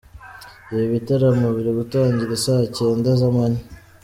Ibi bitaramo biri gutangira i saa cyenda z’amanywa.